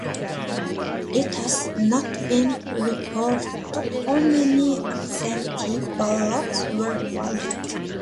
It has not been reported how many absentee ballots were valid.